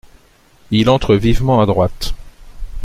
Il entre vivement à droite.